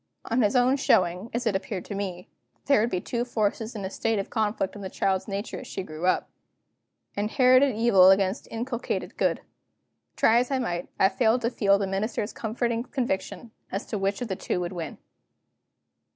On his own showing (as it appeared to me), there would be two forces in a state of conflict in the child's nature as she grew up inherited evil against inculcated good. Try as I might, I failed to feel the Minister's comforting conviction as to which of the two would win.